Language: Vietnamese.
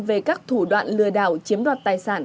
về các thủ đoạn lừa đảo chiếm đoạt tài sản